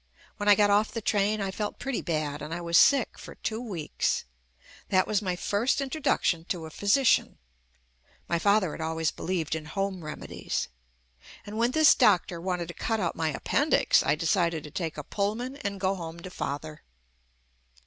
When I got off the train I felt pretty bad, and I was sick for two weeks. That was my first introduction to a physician. (My father had always be lieved in home remedies. ) And when this doc JUST ME tor wanted to cut out my appendix I decided to take a Pullman and go home to father.